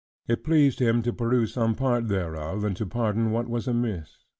It pleased him to peruse some part thereof, and to pardon what was amiss.